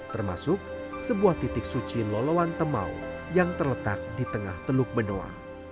termasuk sebuah titik suci loloan temau yang terletak di tengah teluk benoa